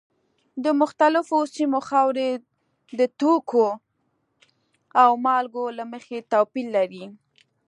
د مختلفو سیمو خاورې د توکو او مالګو له مخې توپیر لري.